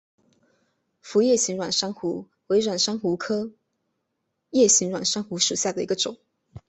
辐叶形软珊瑚为软珊瑚科叶形软珊瑚属下的一个种。